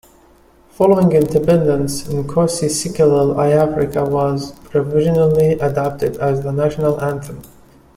Following independence, "Nkosi Sikelel' iAfrika" was provisionally adopted as the national anthem.